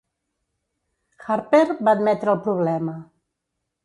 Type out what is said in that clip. Harper va admetre el problema.